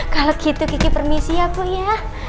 kalau gitu gigi permisi ya bu ya